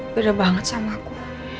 beda banget sama aku